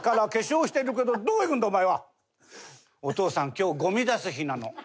今日ゴミ出す日なの」。